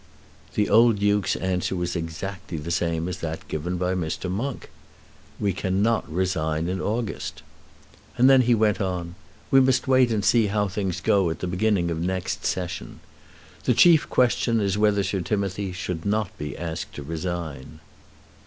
The old Duke's answer was exactly the same as that given by Mr. Monk. "We cannot resign in August." And then he went on. "We must wait and see how things go at the beginning of next Session. The chief question is whether Sir Timothy should not be asked to resign."